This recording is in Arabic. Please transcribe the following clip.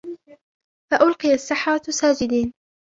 فألقي السحرة ساجدين